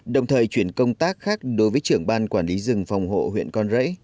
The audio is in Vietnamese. đồng thời chuyển công tác khác đối với trưởng ban quản lý rừng phòng hộ huyện con rẫy